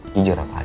jujur apa ada